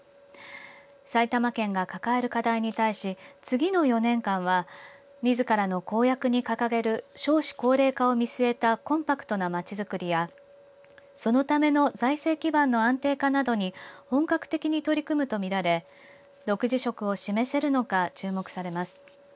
埼玉県が抱える課題に対し次の４年間はみずからの公約に掲げる少子高齢化を見据えたコンパクトな町づくりやそのための財政基盤の安定化などに本格的に取り組むとみられ独自色を示せるのか注目されます。